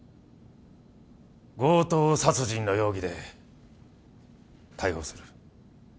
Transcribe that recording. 強盗殺人の容疑で逮捕する。